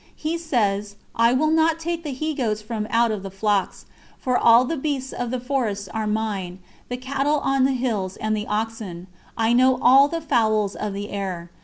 He says: "I will not take the he goats from out of the flocks, for all the beasts of the forests are mine, the cattle on the hills and the oxen. I know all the fowls of the air.